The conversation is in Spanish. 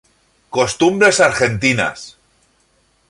Costumbres Argentinas".